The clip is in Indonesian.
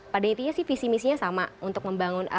pada intinya sih visi misinya sama untuk membangun